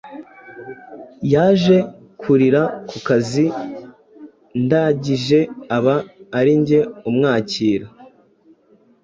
yaje kurira kukazi ndagije aba arinjye umwakira